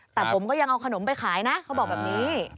แต่ผมก็ยังเอาขนมไปขายนะเขาบอกแบบนี้